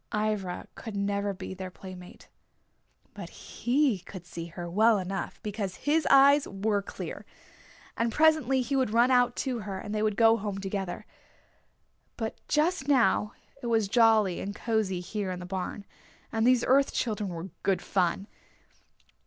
Ivra could never be their playmate. But he could see her well enough because his eyes were clear. And presently he would run out to her and they would go home together. But just now it was jolly and cozy here in the barn, and these Earth Children were good fun.